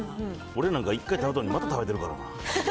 俺なんか、一回食べたのに、また食べてるからな。